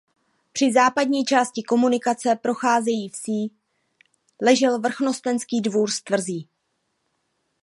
Při západní části komunikace procházející vsí ležel vrchnostenský dvůr s tvrzí.